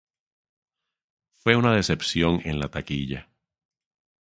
Fue una decepción en la taquilla.